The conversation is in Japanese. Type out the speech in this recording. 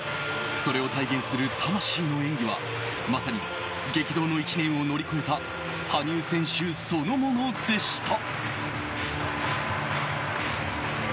それを体現する魂の演技はまさに激動の１年を乗り越えた羽生選手そのものでした。